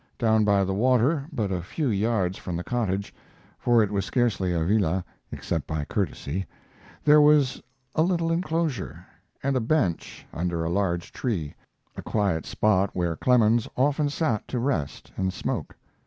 Down by the water, but a few yards from the cottage for it was scarcely a villa except by courtesy there was a little inclosure, and a bench under a large tree, a quiet spot where Clemens often sat to rest and smoke.